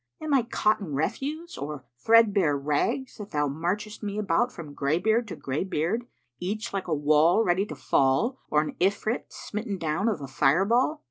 Am I cotton refuse or threadbare rags that thou marchest me about from greybeard to greybeard, each like a wall ready to fall or an Ifrit smitten down of a fire ball?